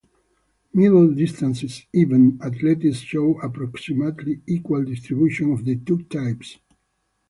Middle distance event athletes show approximately equal distribution of the two types.